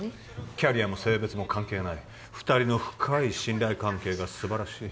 キャリアも性別も関係ない２人の深い信頼関係が素晴らしい